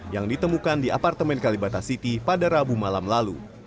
yang ditemukan di apartemen kalibata city pada rabu malam lalu